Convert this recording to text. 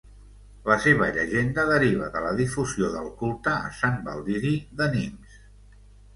La seva llegenda deriva de la difusió del culte a Sant Baldiri de Nimes.